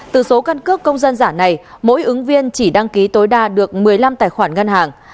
từ số căn cước công dân giả này mỗi ứng viên chỉ đăng ký tối đa được một mươi năm tài khoản ngân hàng